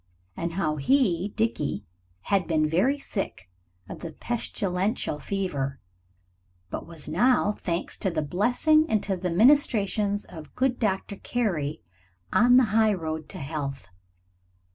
And how he, Dickie, had been very sick of the pestilential fever, but was now, thanks to the blessing and to the ministrations of good Dr. Carey, on the highroad to health.